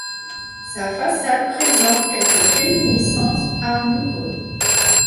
Sa façade présente quelques réminiscences Art nouveau.